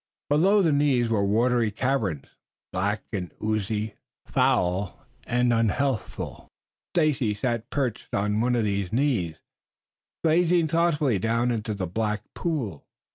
Below the knees were watery caverns, black and oozy, foul and unhealthful. Stacy sat perched on one of these knees gazing thoughtfully down into the black pool.